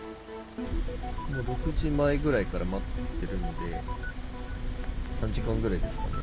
もう６時前ぐらいから待ってるんで、３時間ぐらいですかね。